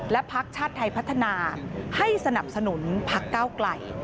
พักชาติไทยพัฒนาให้สนับสนุนพักก้าวไกล